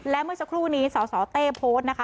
และเมื่อสักครู่นี้สสเต้โพสต์นะคะ